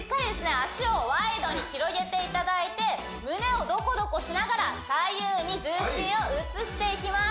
足をワイドに広げていただいて胸をドコドコしながら左右に重心を移していきます